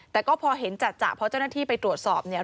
แต่ก็พอเห็นจัดเพราะเจ้าหน้าที่ไปตรวจสอบเนี่ย